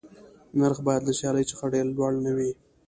نرخ باید له سیالۍ څخه ډېر لوړ نه وي.